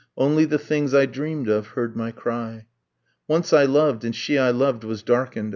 Only the things I dreamed of heard my cry. Once I loved, and she I loved was darkened.